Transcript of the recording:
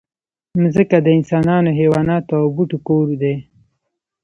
مځکه د انسانانو، حیواناتو او بوټو کور دی.